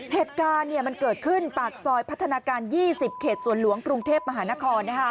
เหตุการณ์มันเกิดขึ้นปากซอยพัฒนาการ๒๐เขตสวนหลวงกรุงเทพมหานคร